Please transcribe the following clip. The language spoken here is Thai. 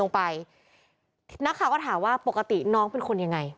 นักข่าวก็ถามว่าปกติน้องเป็นคนยังไง